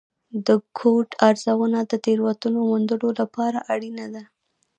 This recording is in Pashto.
د کوډ ارزونه د تېروتنو موندلو لپاره اړینه ده.